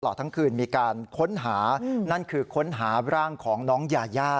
ทั้งคืนมีการค้นหานั่นคือค้นหาร่างของน้องยายา